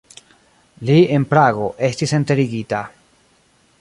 Li en Prago estis enterigita.